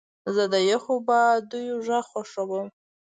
زه د یخو بادیو غږ خوښوم.